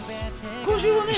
今週もね。